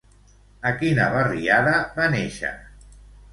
A quina barriada va néixer?